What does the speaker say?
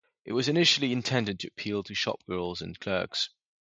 It was initially intended to appeal to shop girls and clerks.